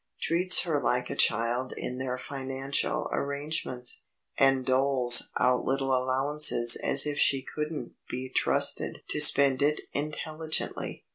Treats her like a child in their financial arrangements, and doles out little allowances as if she couldn't be trusted to spend it intelligently.